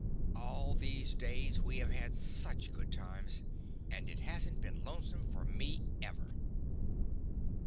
All these days we have had such good times, and it hasn't been lonesome for me, ever.